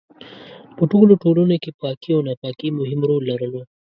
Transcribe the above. په ټولو ټولنو کې پاکي او ناپاکي مهم رول لرلو.